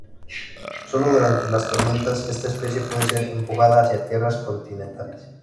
Solo durante las tormentas esta especie puede ser empujada hacia tierras continentales.